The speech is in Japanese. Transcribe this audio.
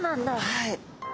はい。